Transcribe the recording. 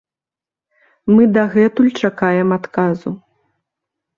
Мы дагэтуль чакаем адказу.